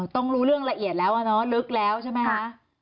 ต้องรู้เรื่องละเอียดแล้วอะเนาะลึกแล้วใช่ไหมคะ